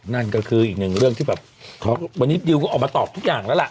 นั่นก็คืออีกหนึ่งเรื่องที่ก็ออกมาตอบทุกอย่างแล้วล่ะ